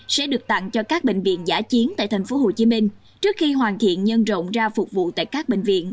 sẽ được tặng cho các bệnh viện giả chiến tại tp hcm trước khi hoàn thiện nhân rộng ra phục vụ tại các bệnh viện